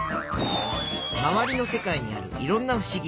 まわりの世界にあるいろんなふしぎ。